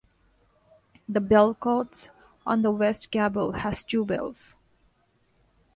The bellcote on the west gable has two bells.